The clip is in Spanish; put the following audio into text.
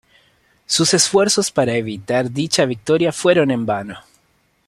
Sus esfuerzos para evitar dicha victoria fueron en vano.